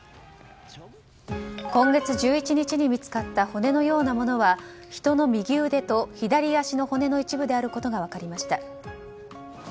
今月１１日に見つかった骨のようなものは人の右腕と左足の骨の一部であることが分かりました。